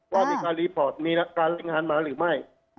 ว่ามีการรายงานมาหรือไม่